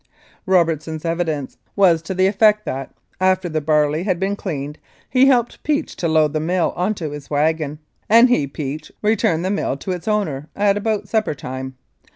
Robertson's evidence was to the effect that, after the barley had been cleaned, he helped Peach to load the mill on to his wagon, and he, Peach, returned the mill to its owner at about supper time.